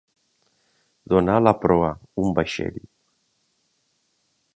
Donar la proa un vaixell.